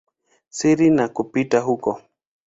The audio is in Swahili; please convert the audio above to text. siri na kupita huko.